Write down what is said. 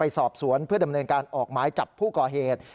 สอบสวนเพื่อดำเนินการออกหมายจับผู้ก่อเหตุ